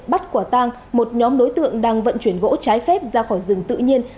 bắt quả tang một nhóm đối tượng đang vận chuyển gỗ trái phép ra khỏi rừng tự nhiên